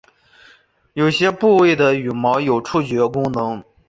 有些部位的羽毛有触觉功能。